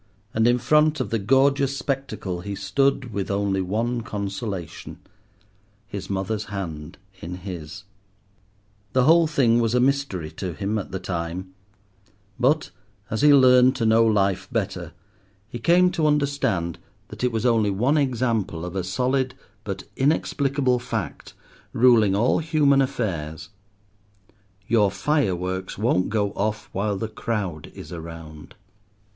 And in front of the gorgeous spectacle he stood with only one consolation—his mother's hand in his. The whole thing was a mystery to him at the time, but, as he learned to know life better, he came to understand that it was only one example of a solid but inexplicable fact, ruling all human affairs—your fireworks won't go off while the crowd is around.